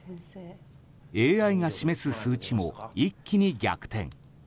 ＡＩが示す数値も一気に逆転。